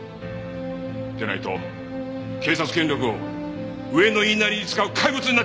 でないと警察権力を上の言いなりに使う怪物になっちまう！